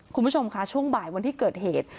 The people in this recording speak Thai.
คุณผู้ชมค่ะช่วงบ่ายวันที่เกิดเหตุ